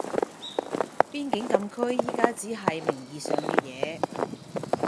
邊境禁區而家只係名義上嘅嘢